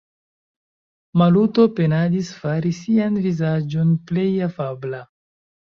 Maluto penadis fari sian vizaĝon plej afabla.